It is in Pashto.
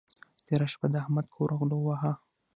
تېره شپه د احمد کور غلو وواهه.